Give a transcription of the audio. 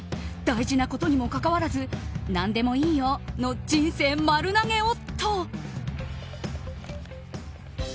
大事なことにもかかわらず何でもいいよの人生丸投げ夫。